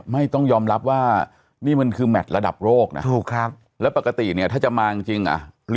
ไม่ต้องยอมรับว่านี่มันคือแมทระดับโลกนะถูกครับแล้วปกติเนี่ยถ้าจะมาจริงอ่ะ